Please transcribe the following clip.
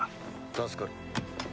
助かる。